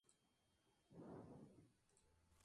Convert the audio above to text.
Combatió la herejía gnóstica de Prisciliano.